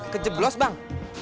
ke jeblos bang